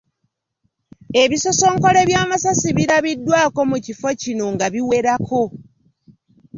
Ebisosonkole by’amasasi birabiddwako mu kifo kino nga biwerako .